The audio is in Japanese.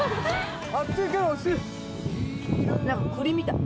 「何か栗みたい。